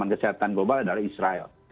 kepala dari israel